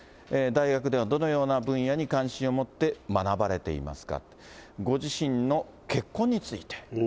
大学ではどのような分野に関心を持って学ばれていますか、ご自身の結婚について。